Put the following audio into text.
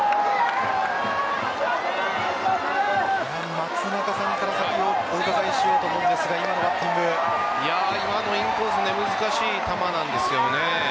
松中さんから先にお伺いしようと思うんですが今のインコース難しい球なんですよね。